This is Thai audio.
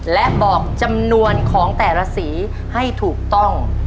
และบอกจำนวนของแต่ละสีให้ถูกต้อง